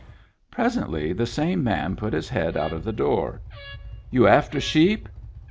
Presently the same man put his head out of the door. " You after sheep